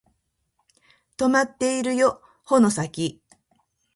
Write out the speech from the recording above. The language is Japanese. とまっているよ竿の先